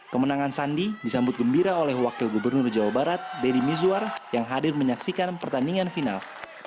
kemenangan sandi disambut gembira oleh wakil gubernur jawa barat deddy mizwar yang hadir menyaksikan pertandingan final